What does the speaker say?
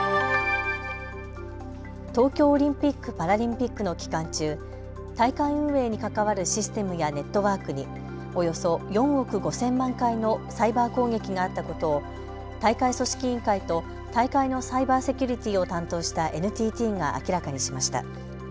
東京オリンピック・パラリンピックの期間中、大会運営に関わるシステムやネットワークにおよそ４億５０００万回のサイバー攻撃があったことを大会組織委員会と大会のサイバーセキュリティーを担当したＮＴＴが明らかにしました。